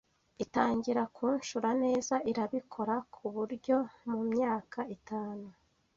itangira kunshura neza irabikora ku buryomu myaka itanu